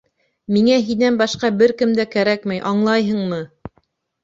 Миңә һинән башҡа бер кем дә кәрәкмәй, аңлайһыңмы?